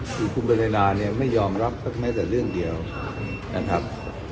คือคุณบรินาไม่ยอมรับแม้แต่เรื่องเดียวนะครับ